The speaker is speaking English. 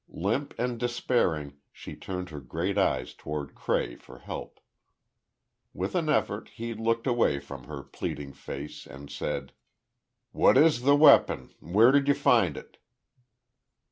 Limp and despairing, she turned her great eyes toward Cray for help. With an effort, he looked away from her pleading face, and said: "What is the weapon? Where did you find it?"